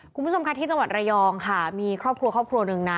คุณผู้ชมค่ะที่จังหวัดระยองค่ะมีครอบครัวครอบครัวหนึ่งนะ